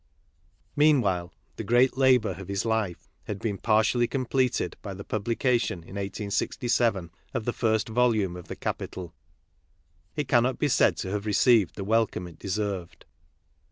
Meanwhile, the great labour of his life had been partially completed by the publication, in 1867, of the first volume of the Capital. It cannot be said to have received the welcome it deserved.